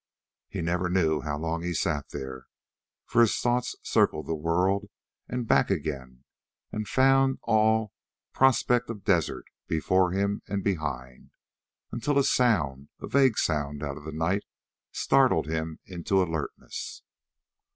He never knew how long he sat there, for his thoughts circled the world and back again and found all a prospect of desert before him and behind, until a sound, a vague sound out of the night, startled him into alertness.